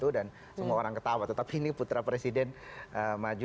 dan semua orang ketawa tetapi ini putra presiden maju